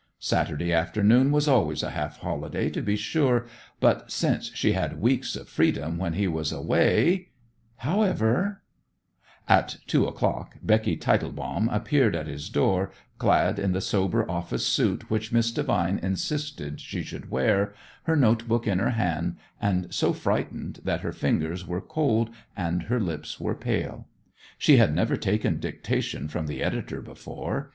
Saturday afternoon was always a half holiday, to be sure, but since she had weeks of freedom when he was away However At two o'clock Becky Tietelbaum appeared at his door, clad in the sober office suit which Miss Devine insisted she should wear, her note book in her hand, and so frightened that her fingers were cold and her lips were pale. She had never taken dictation from the editor before.